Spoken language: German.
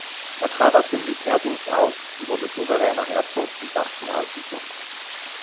Er trat aus dem Militärdienst aus und wurde souveräner Herzog von Sachsen-Altenburg.